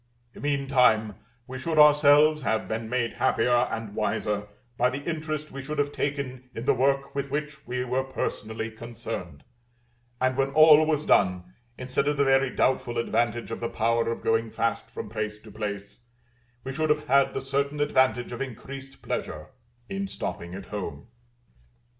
Meantime we should ourselves have been made happier and wiser by the interest we should have taken in the work with which we were personally concerned; and when all was done, instead of the very doubtful advantage of the power of going fast from place to place, we should have had the certain advantage of increased pleasure in stopping at home.